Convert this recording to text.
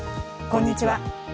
こんにちは。